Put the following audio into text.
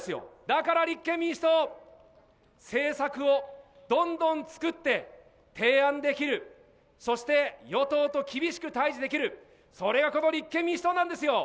だから立憲民主党、政策をどんどん作って提案できる、そして与党と厳しく対じできる、それがこの立憲民主党なんですよ。